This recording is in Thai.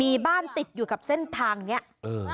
มีบ้านติดอยู่กับเส้นทางเนี้ยเออ